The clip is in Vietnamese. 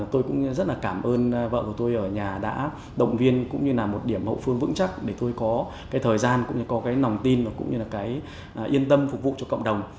tôi cũng rất là cảm ơn vợ của tôi ở nhà đã động viên cũng như là một điểm hậu phương vững chắc để tôi có cái thời gian cũng như có cái lòng tin và cũng như là cái yên tâm phục vụ cho cộng đồng